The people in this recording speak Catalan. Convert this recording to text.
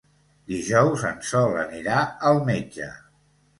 Dijous en Sol anirà al metge.